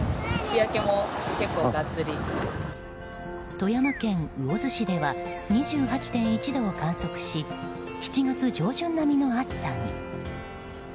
富山県魚津市では２８．１度を観測し７月上旬並みの暑さに。